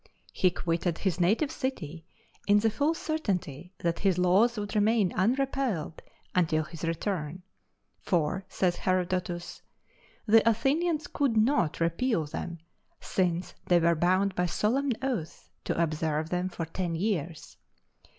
He quitted his native city in the full certainty that his laws would remain unrepealed until his return; for (says Herodotus) "the Athenians could not repeal them, since they were bound by solemn oaths to observe them for ten years."